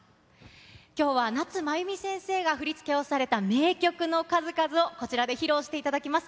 きょうは夏まゆみ先生が振り付けをされた名曲の数々をこちらで披露していただきます。